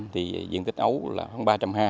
thì diện tích ấu là hơn ba trăm hai mươi